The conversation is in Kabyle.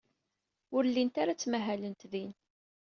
Ur llint ara ttmahalent din.